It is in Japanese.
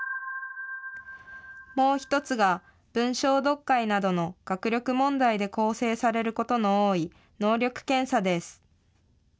もう１つが文章読解などの学力問題で構成されることの多い、能力検査です。